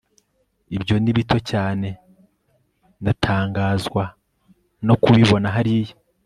ibyo ni bito cyane ndatangazwa no kubibona hariya